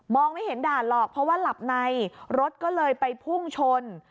ไม่เห็นด่านหรอกเพราะว่าหลับในรถก็เลยไปพุ่งชน